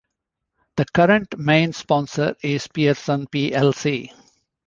The current main sponsor is Pearson plc.